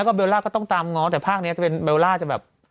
แล้วก็เบลล่าก็ต้องตามง้อแต่ภาคนี้จะเป็นเบลล่าจะแบบ